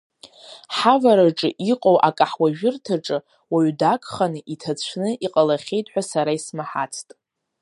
Ҳавараҿы иҟоу акаҳуажәырҭаҿы уаҩ дагханы, иҭацәны иҟалахьеит ҳәа сара исмаҳацт.